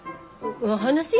お話？